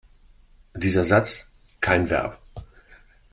Dieser Satz kein Verb.